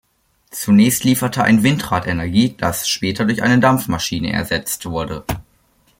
Zunächst lieferte ein Windrad Energie, das später durch eine Dampfmaschine ersetzt wurde.